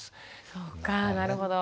そっかなるほど。